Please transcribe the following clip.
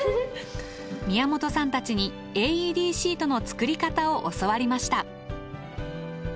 宮本さんたちにＡＥＤシートの作り方を教わりました。